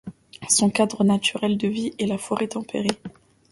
Son cadre naturel de vie est la forêt tempérée.